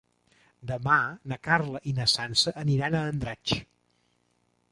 Demà na Carla i na Sança aniran a Andratx.